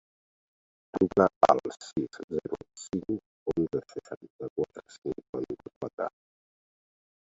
Truca al sis, zero, cinc, onze, seixanta-quatre, cinquanta-quatre.